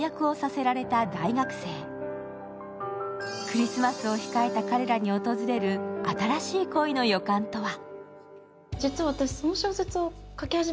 クリスマスを控えた彼らに訪れる新しい恋の予感とは。